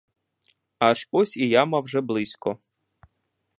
Аж ось і яма вже близько.